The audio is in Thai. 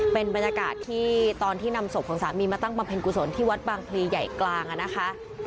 เป็นบรรยากาศที่ตอนที่นำศพของสามีมาตั้งบำเพ็ญกุศลที่วัดบางพลีใหญ่กลางนะคะ